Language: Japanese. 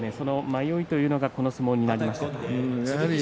迷いというのがこの相撲にありましたか？